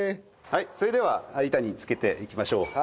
それでは板に付けていきましょう。